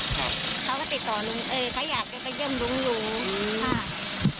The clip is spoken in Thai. ลูกสาวเรานะครับครับเขาก็ติดต่อเอ่ยเขาอยากจะไปเยี่ยมรุงรูอืม